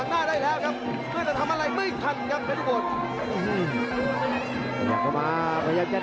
แม้แต่แกยังทนจริงครับสนาน